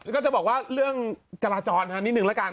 อ๋อก็จะบอกว่าเรื่องจราจรนะนิดนึงแล้วกัน